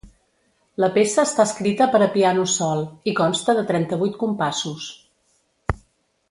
La peça està escrita per a piano sol, i consta de trenta-vuit compassos.